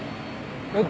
えっ？